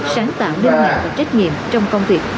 sáng tạo đơn mẹ và trách nhiệm trong công việc